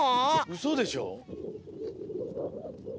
うそでしょ！？